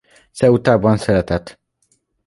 Ceutában született.